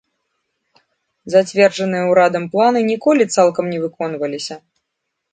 Зацверджаныя ўрадам планы ніколі цалкам не выконваліся.